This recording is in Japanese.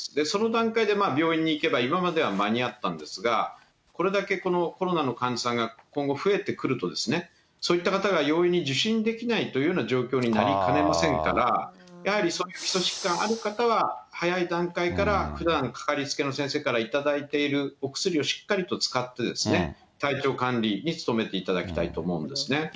その段階で病院に行けば今までは間に合ったんですが、これだけコロナの患者さんが今後増えてくると、そういった方が容易に受診できないというような状況になりかねませんから、やはり基礎疾患ある方は、早い段階から、ふだんのかかりつけの先生から頂いているお薬をしっかりと使って、体調管理に努めていただきたいと思うんですね。